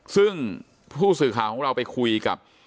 ซึ่งผู้สื่อข่าวของเราไปคุยกับ